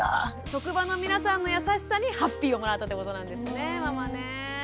職場の皆さんの優しさにハッピーをもらったってことなんですねママね。